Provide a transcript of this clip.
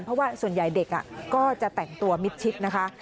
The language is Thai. เพราะว่าส่วนใหญ่เด็กก็จะแต่งตัวมิดชิดนะคะ